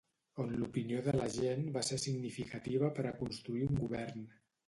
On l'opinió de la gent va ser significativa per a construir un govern.